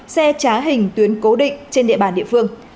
xe trá hình tuyến cố định trên địa bàn địa phương